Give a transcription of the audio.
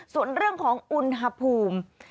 ส่วนเรื่องของอุณหภูมิ